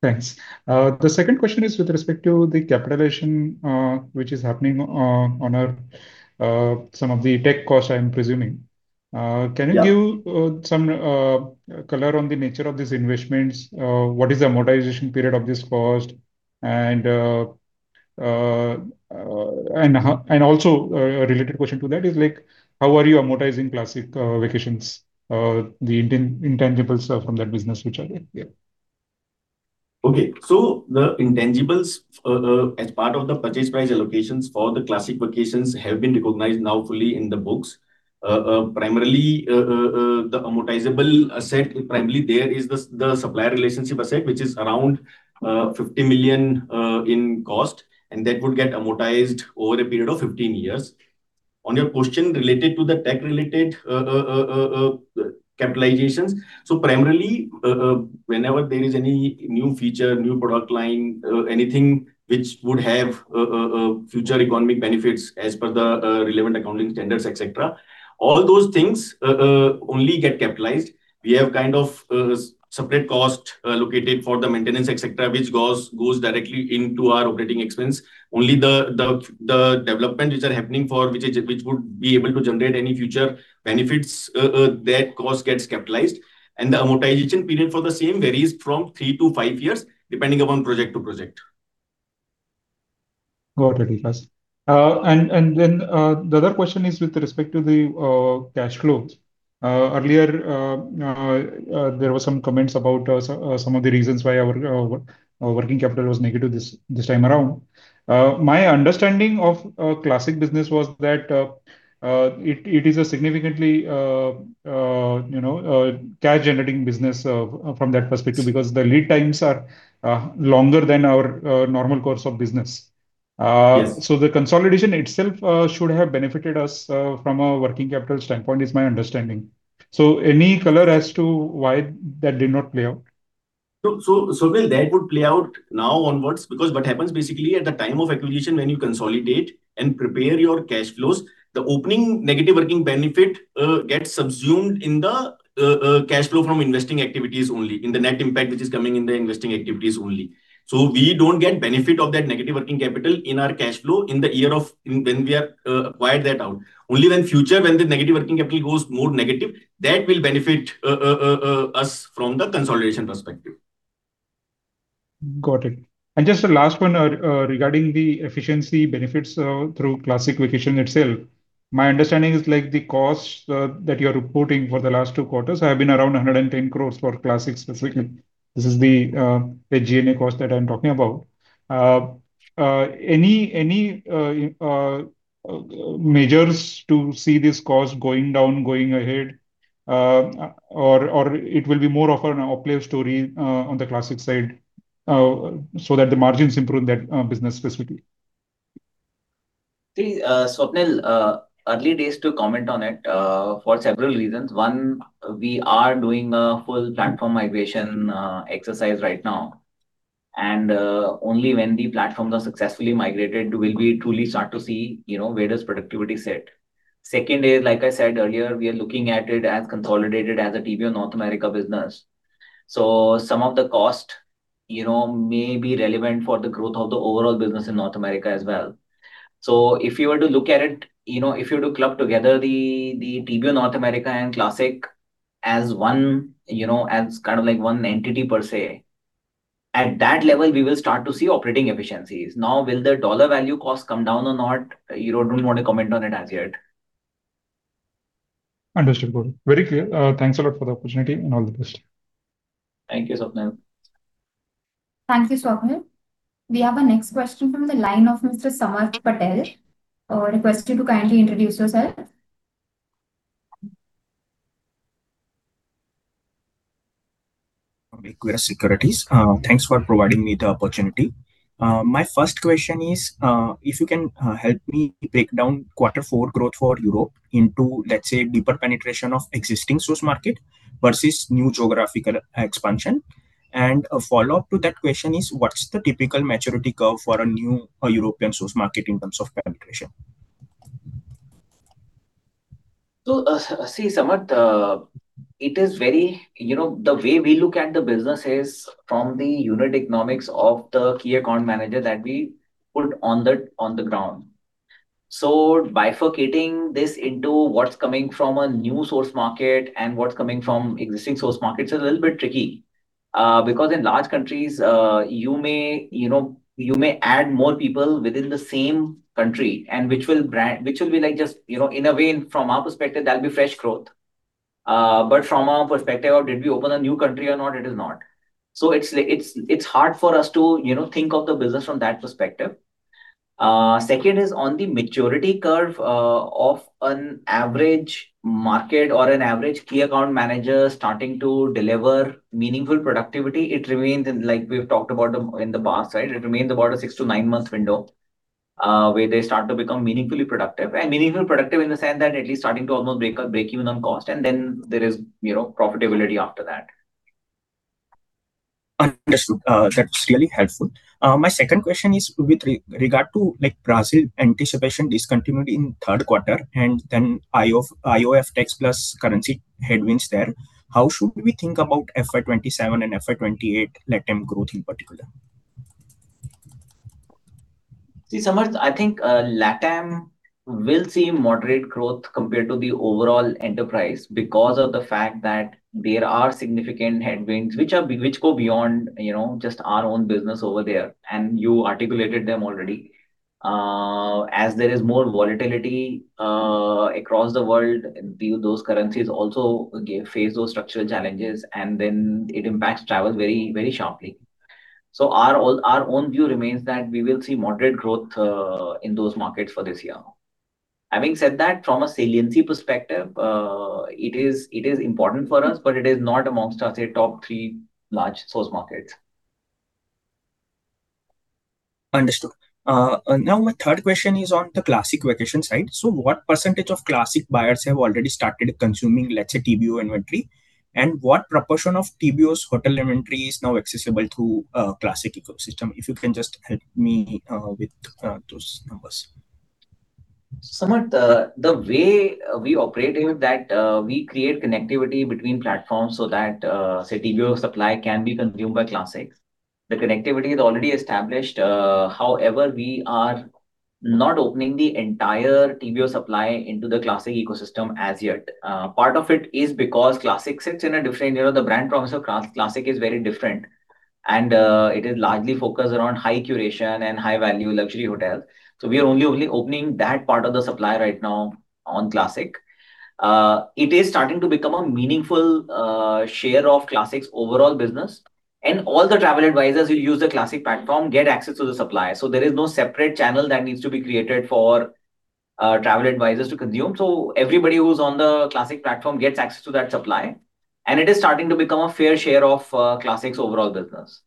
Thanks. The second question is with respect to the capitalization which is happening on some of the tech costs, I'm presuming. Yeah. Can you give some color on the nature of these investments? What is the amortization period of this cost? Also, a related question to that is how are you amortizing Classic Vacations, the intangible stuff from that business, which are there? The intangibles as part of the purchase price allocations for Classic Vacations have been recognized now fully in the books. Primarily, the amortizable asset, primarily there is the supplier relationship asset, which is around 50 million in cost, and that would get amortized over a period of 15 years. On your question related to the tech-related capitalizations. Primarily, whenever there is any new feature, new product line, anything which would have future economic benefits as per the relevant accounting standards, et cetera, all those things only get capitalized. We have separate cost allocated for the maintenance, et cetera, which goes directly into our operating expense. Only the development which are happening for which would be able to generate any future benefits, that cost gets capitalized. The amortization period for the same varies from three to five years, depending upon project to project. Got it, Vikas. The other question is with respect to the cash flows. Earlier there were some comments about some of the reasons why our working capital was negative this time around. My understanding of Classic business was that it is a significantly cash-generating business from that perspective because the lead times are longer than our normal course of business. Yes. The consolidation itself should have benefited us from a working capital standpoint, is my understanding. Any color as to why that did not play out? Swapnil, that would play out now onwards because what happens basically at the time of acquisition when you consolidate and prepare your cash flows, the opening negative working benefit gets subsumed in the cash flow from investing activities only, in the net impact which is coming in the investing activities only. We don't get benefit of that negative working capital in our cash flow in the year when we have acquired that out. Only when future, when the negative working capital goes more negative, that will benefit us from the consolidation perspective. Got it. Just the last one regarding the efficiency benefits through Classic Vacations itself. My understanding is the cost that you're reporting for the last two quarters have been around 110 crores for Classic Vacations specifically. This is the G&A cost that I'm talking about. Any measures to see this cost going down going ahead or it will be more of an OPL story on the Classic Vacations side so that the margins improve that business specifically? See, Swapnil, early days to comment on it for several reasons. One, we are doing a full platform migration exercise right now, only when the platforms are successfully migrated will we truly start to see where does productivity sit. Second is, like I said earlier, we are looking at it as consolidated as a TBO North America business. Some of the cost may be relevant for the growth of the overall business in North America as well. If you were to look at it, if you were to club together the TBO North America and Classic Vacations as one entity per se, at that level, we will start to see operating efficiencies. Will the dollar value cost come down or not? I don't want to comment on it as yet. Understood. Got it. Very clear. Thanks a lot for the opportunity, and all the best. Thank you, Swapnil. Thank you, Swapnil. We have our next question from the line of Mr. Samarth Patel. Request you to kindly introduce yourself. Okay. Equirus Securities. Thanks for providing me the opportunity. My first question is, if you can help me break down quarter four growth for Europe into, let's say, deeper penetration of existing source market versus new geographical expansion. A follow-up to that question is: what's the typical maturity curve for a new European source market in terms of penetration? See, Samarth, the way we look at the business is from the unit economics of the key account manager that we put on the ground. Bifurcating this into what's coming from a new source market and what's coming from existing source markets is a little bit tricky. In large countries, you may add more people within the same country, and which will be like in a way, from our perspective, that'll be fresh growth. From our perspective of did we open a new country or not, it is not. It's hard for us to think of the business from that perspective. Second is on the maturity curve of an average market or an average key account manager starting to deliver meaningful productivity. It remains in, like we've talked about in the past, right? It remains about a six to nine months window, where they start to become meaningfully productive. Meaningfully productive in the sense that at least starting to almost break even on cost, and then there is profitability after that. Understood. That is really helpful. My second question is with regard to Brazil anticipation discontinued in third quarter, and then IOF tax plus currency headwinds there. How should we think about FY 2027 and FY 2028 LATAM growth in particular? See, Samarth, I think LATAM will see moderate growth compared to the overall enterprise because of the fact that there are significant headwinds, which go beyond just our own business over there, and you articulated them already. As there is more volatility across the world, those currencies also face those structural challenges, and then it impacts travel very sharply. Our own view remains that we will see moderate growth in those markets for this year. Having said that, from a saliency perspective, it is important for us, but it is not amongst our, say, top three large source markets. Understood. Now my third question is on the Classic Vacations side. What percentage of Classic buyers have already started consuming, let's say, TBO inventory? What proportion of TBO's hotel inventory is now accessible through Classic ecosystem? If you can just help me with those numbers. Samarth, the way we operate is that we create connectivity between platforms so that, say, TBO supply can be consumed by Classic. The connectivity is already established. However, we are not opening the entire TBO supply into the Classic ecosystem as yet. Part of it is because Classic sits in a different-- the brand promise of Classic is very different, and it is largely focused around high curation and high-value luxury hotels. So we are only opening that part of the supply right now on Classic. It is starting to become a meaningful share of Classic's overall business. All the travel advisors who use the Classic platform get access to the supply. So there is no separate channel that needs to be created for travel advisors to consume. Everybody who's on the Classic platform gets access to that supply, and it is starting to become a fair share of Classic's overall business.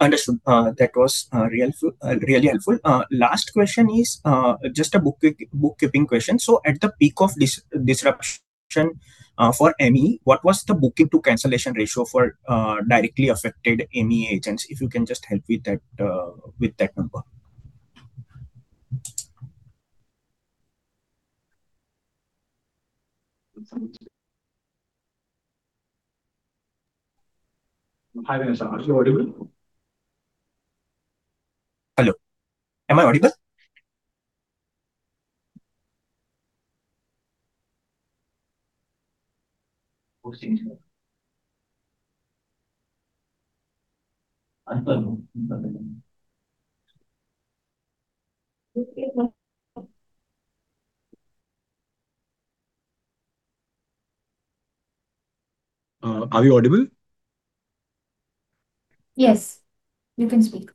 Understood. That was really helpful. Last question is just a bookkeeping question. At the peak of disruption for ME, what was the booking to cancellation ratio for directly affected ME agents? If you can just help with that number. Hi, Vanessa. Are you audible? Hello. Am I audible? What changed here? I don't know. Okay. Are we audible? Yes. You can speak.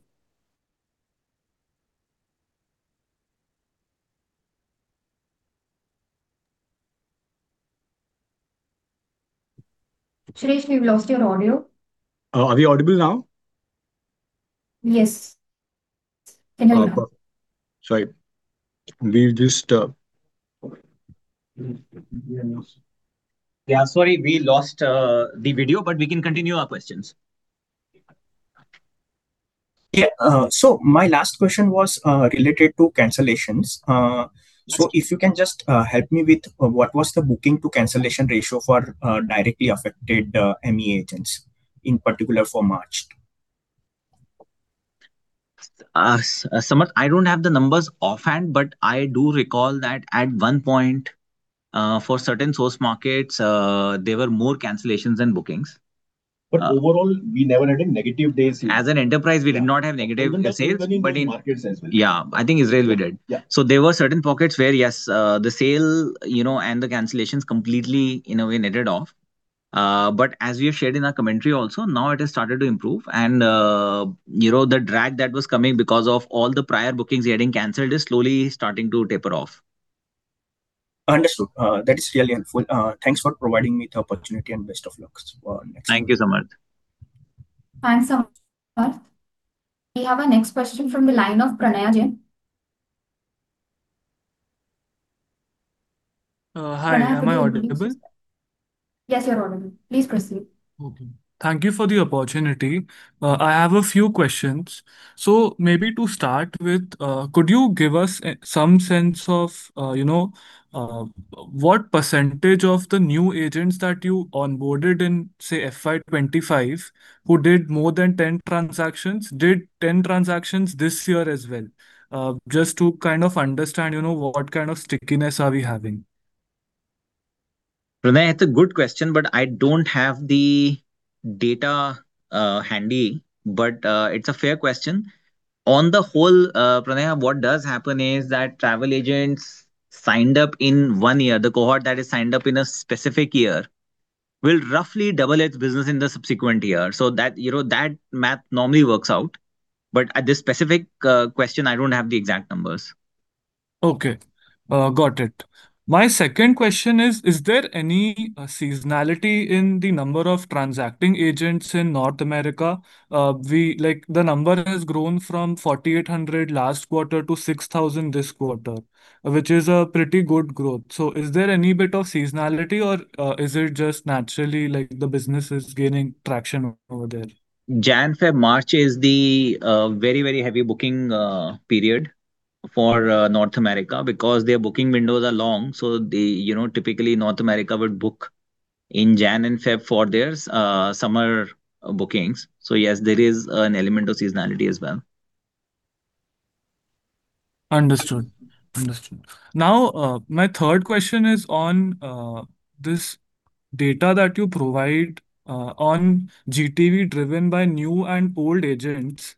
Samarth, we've lost your audio. Are we audible now? Yes. Can hear now. Sorry. We've just Yeah. Sorry, we lost the video, but we can continue our questions. Yeah. My last question was related to cancellations. Yes. If you can just help me with what was the booking to cancellation ratio for directly affected ME agents, in particular for March? Samarth, I don't have the numbers offhand, but I do recall that at one point, for certain source markets, there were more cancellations than bookings. Overall, we never had a negative day sale. As an enterprise, we did not have negative day sales. Even in certain markets as well. Yeah. I think Israel we did. Yeah. There were certain pockets where, yes, the sale and the cancellations completely, in a way, netted off. As we have shared in our commentary also, now it has started to improve and the drag that was coming because of all the prior bookings getting canceled is slowly starting to taper off. Understood. That is really helpful. Thanks for providing me the opportunity, and best of luck. Thank you, Samarth. Thanks so much, Samarth. We have our next question from the line of Pranay Jain. Hi. Am I audible? Yes, you're audible. Please proceed. Okay. Thank you for the opportunity. I have a few questions. Maybe to start with, could you give us some sense of what percentage of the new agents that you onboarded in, say, FY 2025, who did more than 10 transactions, did 10 transactions this year as well? Just to kind of understand what kind of stickiness are we having. Pranay, it's a good question, but I don't have the data handy. It's a fair question. On the whole, Pranay, what does happen is that travel agents signed up in one year, the cohort that is signed up in a specific year will roughly double its business in the subsequent year. That math normally works out. At this specific question, I don't have the exact numbers. Okay. Got it. My second question is: Is there any seasonality in the number of transacting agents in North America? The number has grown from 4,800 last quarter to 6,000 this quarter, which is a pretty good growth. Is there any bit of seasonality or is it just naturally the business is gaining traction over there? Jan, Feb, March is the very heavy booking period for North America because their booking windows are long. Typically North America would book in Jan and Feb for their summer bookings. Yes, there is an element of seasonality as well. Understood. Now, my third question is on this data that you provide on GTV driven by new and old agents.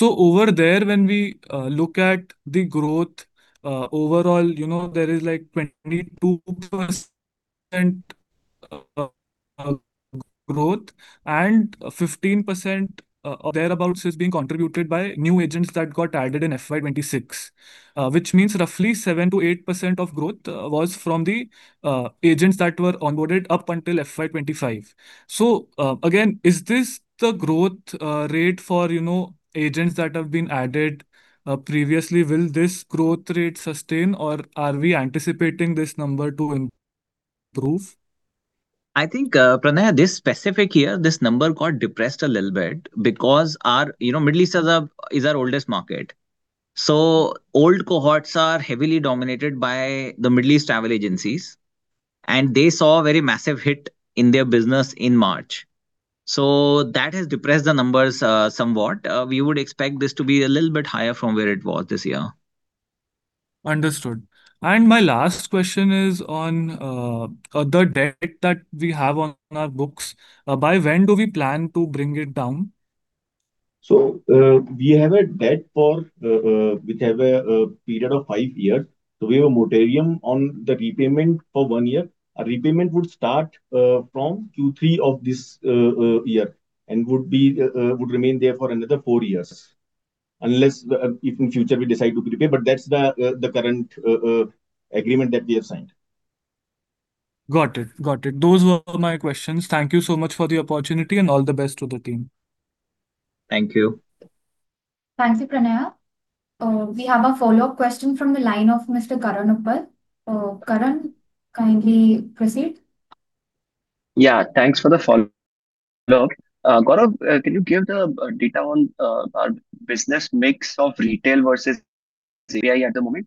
Over there, when we look at the growth, overall, there is 22% growth and 15% or thereabout is being contributed by new agents that got added in FY 2026. Which means roughly 7%-8% of growth was from the agents that were onboarded up until FY 2025. Again, is this the growth rate for agents that have been added previously? Will this growth rate sustain or are we anticipating this number to improve? I think, Pranay, this specific year, this number got depressed a little bit because Middle East is our oldest market. Old cohorts are heavily dominated by the Middle East travel agencies, and they saw a very massive hit in their business in March. That has depressed the numbers somewhat. We would expect this to be a little bit higher from where it was this year. Understood. My last question is on the debt that we have on our books. By when do we plan to bring it down? We have a debt which have a period of five years. We have a moratorium on the repayment for one year. A repayment would start from Q3 of this year and would remain there for another four years unless if in future we decide to prepay. That's the current agreement that we have signed. Got it. Those were my questions. Thank you so much for the opportunity, and all the best to the team. Thank you. Thank you, Pranay. We have a follow-up question from the line of Mr. Karan Uppal. Karan, kindly proceed. Yeah, thanks for the follow-up. Gaurav, can you give the data on our business mix of retail versus API at the moment?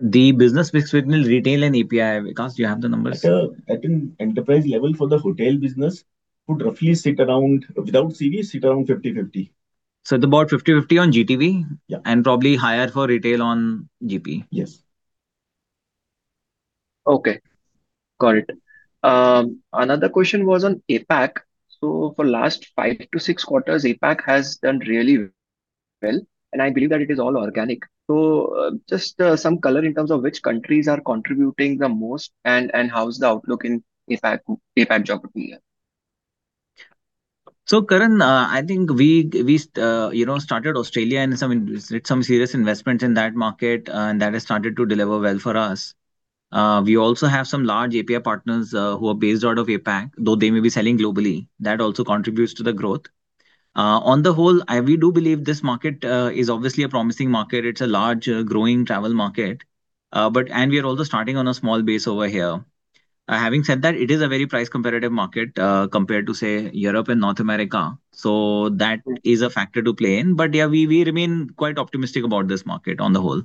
The business mix between retail and API, Vikas, do you have the numbers? At an enterprise level for the hotel business would roughly sit around, without CV, sit around 50/50. About 50/50 on GTV. Yeah Probably higher for retail on GP. Yes. Okay. Got it. Another question was on APAC. For last five to six quarters, APAC has done really well, and I believe that it is all organic. Just some color in terms of which countries are contributing the most and how's the outlook in APAC geography here. Karan, I think we started Australia and did some serious investments in that market, and that has started to deliver well for us. We also have some large API partners who are based out of APAC, though they may be selling globally. That also contributes to the growth. On the whole, we do believe this market is obviously a promising market. It's a large growing travel market. We are also starting on a small base over here. Having said that, it is a very price competitive market compared to, say, Europe and North America. That is a factor to play in. Yeah, we remain quite optimistic about this market on the whole.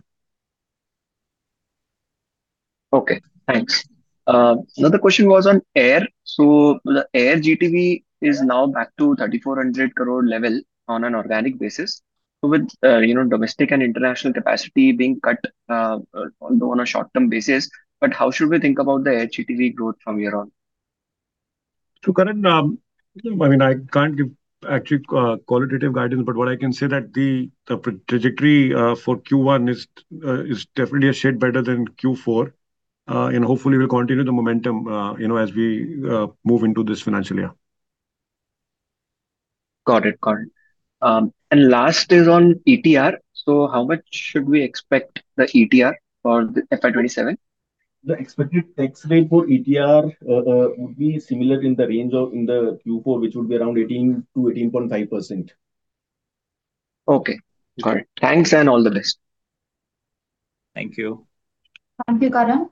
Okay, thanks. Another question was on air. The air GTV is now back to 3,400 crore level on an organic basis. With domestic and international capacity being cut, although on a short-term basis, how should we think about the air GTV growth from here on? Karan, I can't give actual qualitative guidance, but what I can say that the trajectory for Q1 is definitely a shade better than Q4. Hopefully we'll continue the momentum as we move into this financial year. Got it. Last is on ETR. How much should we expect the ETR for FY 2027? The expected tax rate for ETR would be similar in the range of in the Q4, which would be around 18%-18.5%. Okay. Got it. Thanks and all the best. Thank you. Thank you, Karan.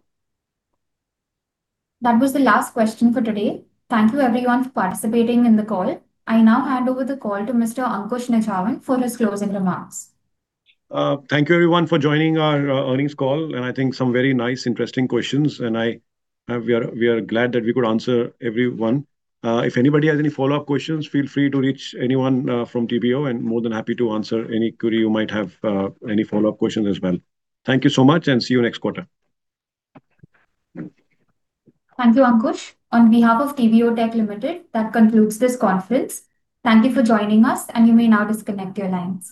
That was the last question for today. Thank you everyone for participating in the call. I now hand over the call to Mr. Ankush Nijhawan for his closing remarks. Thank you everyone for joining our earnings call, and I think some very nice interesting questions, and we are glad that we could answer every one. If anybody has any follow-up questions, feel free to reach anyone from TBO and more than happy to answer any query you might have, any follow-up questions as well. Thank you so much and see you next quarter. Thank you, Ankush. On behalf of TBO Tek Ltd., that concludes this conference. Thank you for joining us and you may now disconnect your lines.